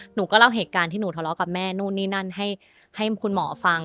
หนูก็เล่าเหตุการณ์ที่หนูทะเลาะกับแม่นู่นนี่นั่นให้คุณหมอฟัง